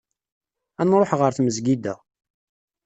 Ad nruḥ ɣer tmezgida.